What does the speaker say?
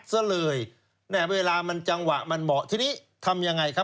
แต่เวลามันจังหวะเหมาะ